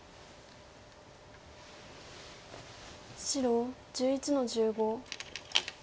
白１１の十五。